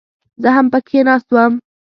زه هم پکښې ناست وم.